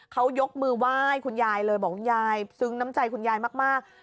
เขายกมือไหว้คุณยายเลยบอกคุณยายซึ้งน้ำใจคุณยายมาก